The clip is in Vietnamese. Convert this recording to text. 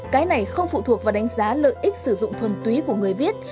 cái này không phụ thuộc vào đánh giá lợi ích sử dụng thuần túy của người viết